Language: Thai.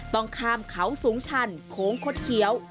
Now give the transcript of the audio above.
ต้องข้ามเขาสูงชันโค้งคดเขียว